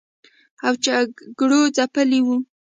او جګړو ځپلي و